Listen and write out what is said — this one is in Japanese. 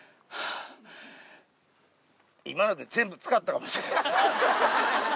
今ので全部使ったかもしれない。